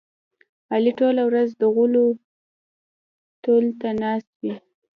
علي ټوله ورځ د غولو تول ته ناست وي.